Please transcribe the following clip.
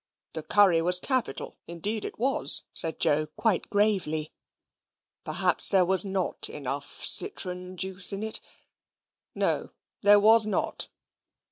"The curry was capital; indeed it was," said Joe, quite gravely. "Perhaps there was NOT enough citron juice in it no, there was NOT."